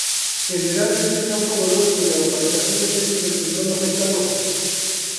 Generalmente causa dolor cuya localización depende del tendón afectado.